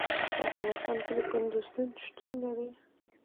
په افغانستان کې د کندز سیند شتون لري.